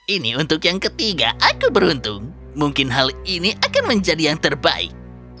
ini untuk yang ketiga aku beruntung mungkin hal ini akan menjadi yang terbaik